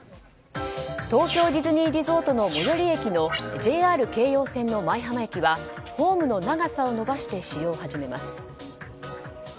東京ディズニーリゾートの最寄り駅のＪＲ京葉線の舞浜駅はホームの長さを延ばして使用を始めます。